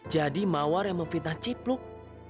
jadi mawar yang memfitnah cipluk